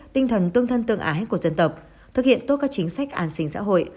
tinh thần tương thân tương ái của dân tộc thực hiện tốt các chính sách an sinh xã hội